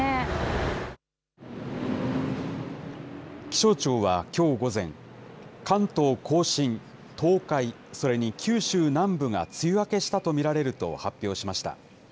気象庁はきょう午前、関東甲信、東海、それに九州南部が梅雨明けしたと見られると発表しました。